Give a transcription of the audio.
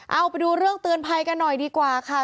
เอาไปดูเรื่องเตือนภัยกันหน่อยดีกว่าค่ะ